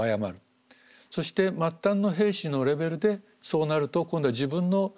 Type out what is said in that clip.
そして末端の兵士のレベルでそうなると今度は自分の将来を誤る。